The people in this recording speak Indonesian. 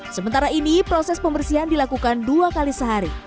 sementara ini proses pembersihan dilakukan dua kali sehari